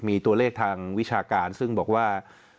มีตัวเลขทางวิชาการซึ่งบอกว่า